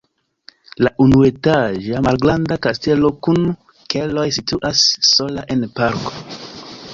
La unuetaĝa malgranda kastelo kun keloj situas sola en parko.